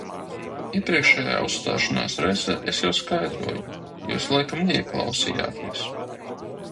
Iepriekšējā uzstāšanās reizē es jau skaidroju, jūs laikam neieklausījāties.